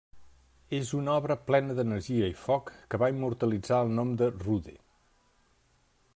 És una obra plena d'energia i foc, que va immortalitzar el nom de Rude.